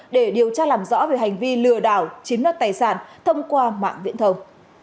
để điều tra làm rõ về hành vi lừa đảo chiếm đất tài sản thông qua mạng viễn thông